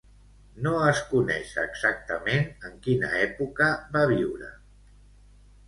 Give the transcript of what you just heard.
No es coneix exactament en quina època va viure.